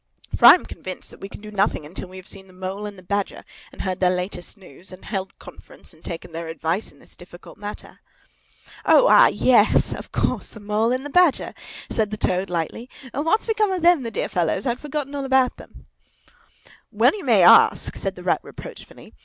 For I am convinced that we can do nothing until we have seen the Mole and the Badger, and heard their latest news, and held conference and taken their advice in this difficult matter." "Oh, ah, yes, of course, the Mole and the Badger," said Toad, lightly. "What's become of them, the dear fellows? I had forgotten all about them." "Well may you ask!" said the Rat reproachfully.